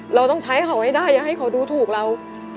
เราต้องใช้เขาให้ได้อย่าให้เขาดูถูกเรา